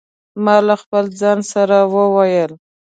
ما له خپل ځانه سره وویل.